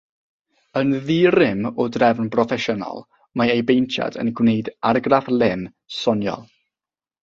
Yn ddi-rym o drefn broffesiynol, mae ei baentiad yn gwneud argraff lem, soniol.